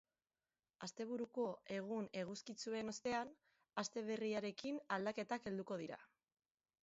Asteburuko egun eguzkitsuen ostean, aste berriarekin aldaketak helduko dira.